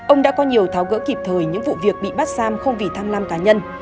ông đã có nhiều tháo gỡ kịp thời những vụ việc bị bắt giam không vì tham lam cá nhân